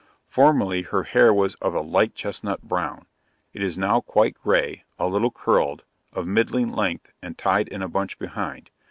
Formerly her hair was of a light chestnut brown it is now quite grey, a little curled, of middling length and tied in a bunch behind.